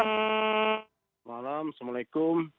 selamat malam assalamualaikum